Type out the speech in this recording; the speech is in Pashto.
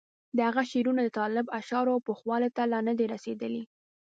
د هغه شعرونه د طالب اشعارو پوخوالي ته لا نه دي رسېدلي.